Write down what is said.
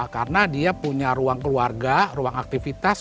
karena dia punya ruang keluarga ruang aktivitas